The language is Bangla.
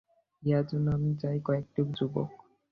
ইহার জন্য আমি চাই কয়েকটি যুবক।